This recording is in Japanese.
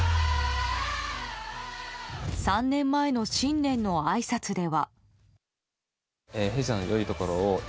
３年前の新年のあいさつでは。